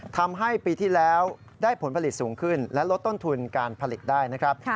ทำให้ปีที่แล้วได้ผลผลิตสูงขึ้นและลดต้นทุนการผลิตได้นะครับ